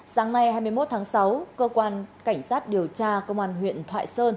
sáng nay hai mươi một tháng sáu cơ quan cảnh sát điều tra cơ quan huyện thoại sơn